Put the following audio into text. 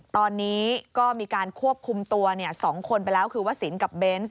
ตอนนี้ก็มีการควบคุมตัว๒คนไปแล้วคือวสินกับเบนส์